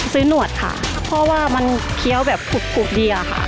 หนวดค่ะเพราะว่ามันเคี้ยวแบบกรุบดีอะค่ะ